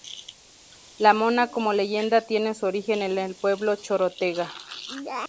La Mona como leyenda tiene su origen en el pueblo chorotega.